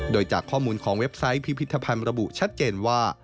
โดยจากข้อมูลของเว็บไซต์พิพิธภัณฑ์ระบุชัดเจนว่า